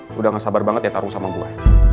sudah tidak sabar banget ya menaruh sama gue